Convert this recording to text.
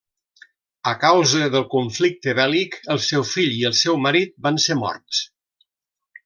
A causa del conflicte bèl·lic, el seu fill i el seu marit van ser morts.